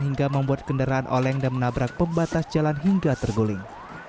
hingga membuat kendaraan oleng dan menabrak pembatas jalan hingga terguling